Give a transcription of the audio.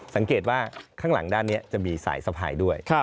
สังเกตว่าข้างหลังด้านนี้จะมีสายสะพายด้วย